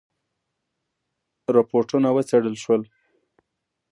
رپوټونه وڅېړل شول.